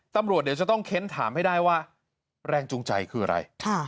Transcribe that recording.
ตำรวจเดี๋ยวจะต้องเค้นถามให้ได้ว่าแรงจูงใจคืออะไร